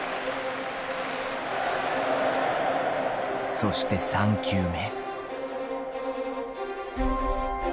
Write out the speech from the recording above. そして３球目。